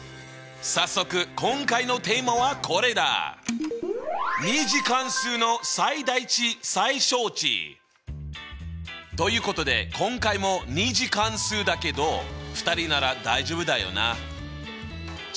早速今回のテーマはこれだ！ということで今回も２次関数だけど２人なら大丈夫だよな。